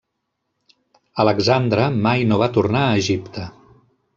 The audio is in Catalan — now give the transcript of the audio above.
Alexandre mai no va tornar a Egipte.